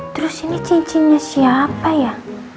terus ini cincinnya siapa ya